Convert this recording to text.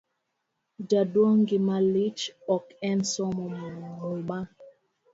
jaduong' gimalich ok en somo muma